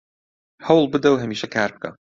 هەوڵ بدە و هەمیشە کار بکە